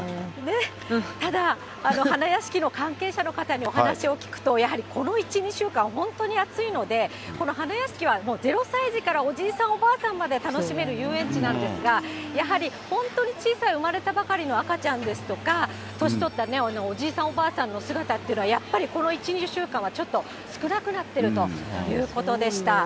ただ、花やしきの関係者の方にお話を聞くと、やはりこの１、２週間、本当に暑いので、この花やしきは０歳時からおじいさん、おばあさんまで楽しめる遊園地なんですが、やはり本当に小さい、生まれたばかりの赤ちゃんですとか、年取ったおじいさん、おばあさんの姿っていうのは、やっぱりこの１、２週間というのはちょっと少なくなってるということでした。